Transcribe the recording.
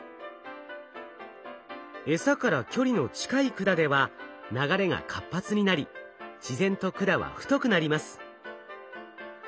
えさから距離の近い管では流れが活発になり自然と管は太くなります。